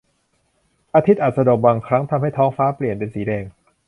อาทิตย์อัสดงบางครั้งทำให้ท้องฟ้าเปลี่ยนเป็นสีแดง